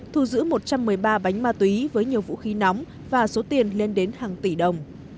thu giữ một trăm một mươi ba bánh ma túy với nhiều vũ khí nóng và số tiền lên đến hàng tỷ đồng